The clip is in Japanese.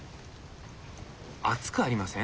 暑くありません？